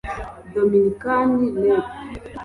Dominican Rep